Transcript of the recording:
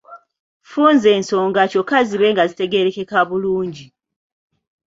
Funza ensonga kyokka zibe nga zitegeerekeka bulungi.